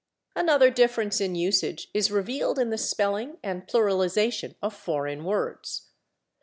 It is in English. Another difference in usage is revealed in the spelling and pluralization of foreign words.